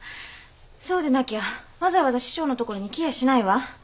そうでなきゃわざわざ師匠の所に来やしないわ。